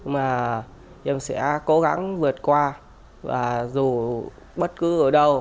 mà em sẽ cố gắng vượt qua và dù bất cứ ở đâu